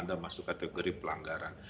anda masuk kategori pelanggaran